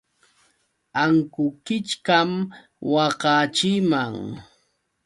Ankukichkam waqaachiman.